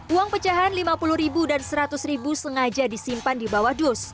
uang pecahan rp lima puluh ribu dan seratus ribu sengaja disimpan di bawah dus